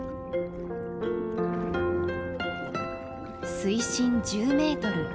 水深１０メートル。